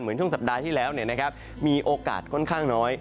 ช่วงสัปดาห์ที่แล้วมีโอกาสค่อนข้างน้อย